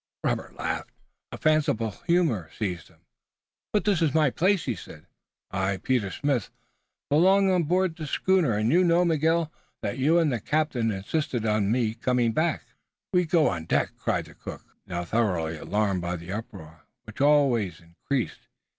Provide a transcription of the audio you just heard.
Robert laughed. A fanciful humor seized him. "But this is my place," he said. "I, Peter Smith, belong on board this schooner and you know, Miguel, that you and the captain insisted on my coming back." "We go on deck!" cried the cook, now thoroughly alarmed by the uproar, which always increased.